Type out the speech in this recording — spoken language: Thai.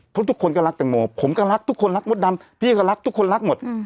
เพราะทุกคนก็รักแตงโมผมก็รักทุกคนรักมดดำพี่ก็รักทุกคนรักหมด